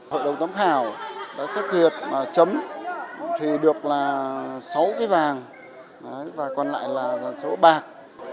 hội đồng giám khảo đã xét duyệt và chấm thì được là sáu cái vàng và còn lại là số bạc